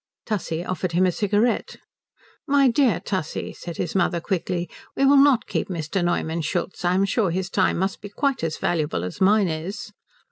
Tussie offered him a cigarette. "My dear Tussie," said his mother quickly, "we will not keep Mr. Neumann Schultz. I'm sure his time must be quite as valuable as mine is."